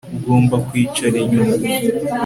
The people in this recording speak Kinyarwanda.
Ugomba kwicara inyuma